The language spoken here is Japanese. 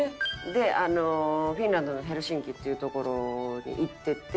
であのフィンランドのヘルシンキっていう所に行ってて。